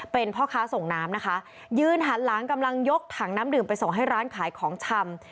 เป็นพ่อค้าส่งน้ำนะคะยืนหันหลังกำลังยกถังน้ำดื่มไปส่งให้ร้านขายของชำ